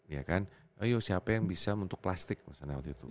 ya kan oh siapa yang bisa untuk plastik misalnya waktu itu